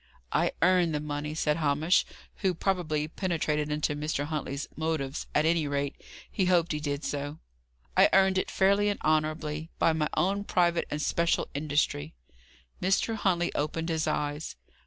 "I earned the money," said Hamish, who probably penetrated into Mr. Huntley's "motives;" at any rate, he hoped he did so. "I earned it fairly and honourably, by my own private and special industry." Mr. Huntley opened his eyes.